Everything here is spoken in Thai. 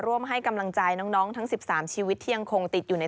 ร่วมให้กำลังใจน้องทั้ง๑๓ชีวิตที่ยังคงติดอยู่ใน